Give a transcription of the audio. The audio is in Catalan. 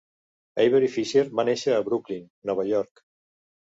Avery Fisher va néixer a Brooklyn, Nova York.